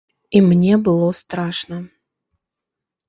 І мне было страшна!